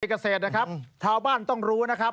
เกษตรนะครับชาวบ้านต้องรู้นะครับ